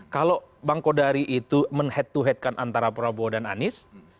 kalau bang kodari itu men head to head kan antara prabowo dan anies